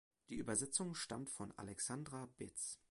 Die Übersetzung stammt von Alexandra Betz.